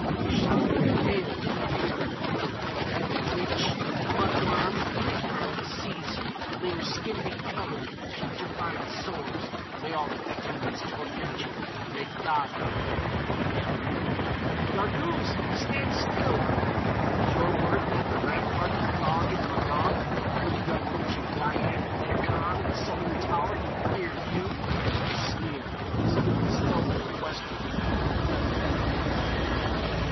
he shouted, pale with fear and fury. "Witch! Mud worm! May Erlik seize you! May your skin be covered with putrefying sores! May all the demons torment you! May God remember you in hell!" "Yarghouz! Stand still!" "Is your word then the Rampart of Gog and Magog, you young witch of Yian, that a Khan of the Seventh Tower need fear you!" he sneered, stealing stealthily westward through the feathery pines.